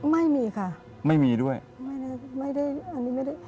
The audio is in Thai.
ไม่มีค่ะไม่มีด้วยไม่ได้ไม่ได้อันนี้ไม่ได้